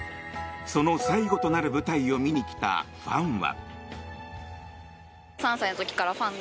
その最後となる舞台を見に来たファンは。